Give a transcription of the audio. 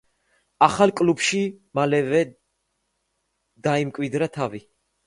ახალ კლუბში მალევე დაიმკვიდრა თავი.